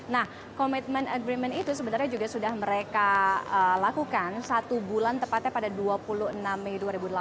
nah commitment agreement itu sebenarnya juga sudah mereka lakukan satu bulan tepatnya pada dua puluh enam mei dua ribu delapan belas